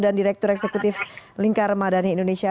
dan direktur eksekutif lingkar madani indonesia